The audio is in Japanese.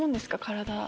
体。